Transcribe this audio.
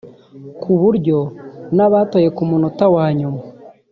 ku buryo n’abatoye ku munota wa nyuma